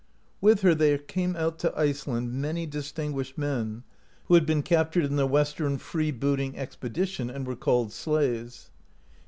With her there came out [to Iceland] many distinguished men, who had been captured in the Western freebooting expedition, and were called slaves.